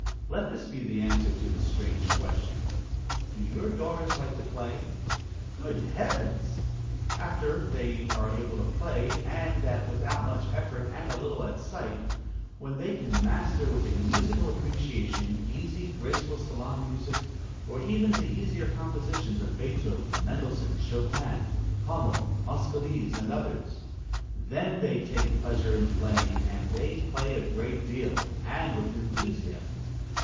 Let this be the answer to the strange question, Do your daughters like to play? Good heavens! After they are able to play, and that without much effort, and a little at sight; when they can master, with a musical appreciation, easy, graceful salon music, or even the easier compositions of Beethoven, Mendelssohn, Chopin, Hummel, Moscheles, &c., then they take pleasure in playing, and they play a great deal, and with enthusiasm.